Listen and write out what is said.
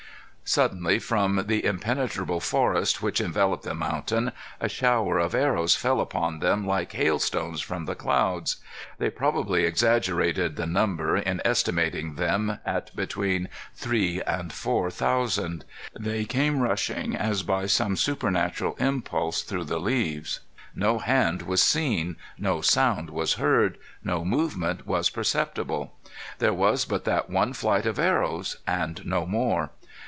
Suddenly, from the impenetrable forest which enveloped the mountain, a shower of arrows fell upon them, like hailstones from the clouds. They probably exaggerated the number in estimating them at between three and four thousand. They came rushing, as by some supernatural impulse, through the leaves. No hand was seen. No sound was heard. No movement was perceptible. There was but that one flight of arrows and no more.